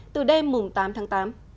từ đêm tám tháng tám